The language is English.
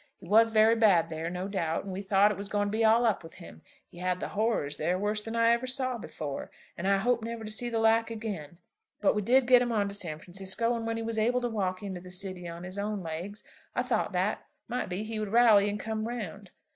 He was very bad there, no doubt, and we thought it was going to be all up with him. He had the horrors there, worse than I ever saw before, and I hope never to see the like again. But we did get him on to San Francisco; and when he was able to walk into the city on his own legs, I thought that, might be, he would rally and come round.